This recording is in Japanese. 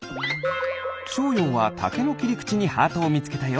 しょうようはタケのきりくちにハートをみつけたよ。